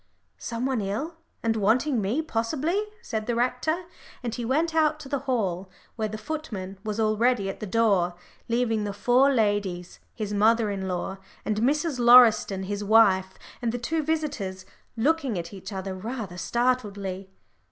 "Some one ill, and wanting me, possibly," said the rector, and he went out to the hall, where the footman was already at the door, leaving the four ladies his mother in law, and Mrs. Lauriston, his wife, and the two visitors looking at each other rather startledly.